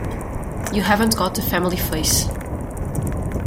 You haven't got the family face.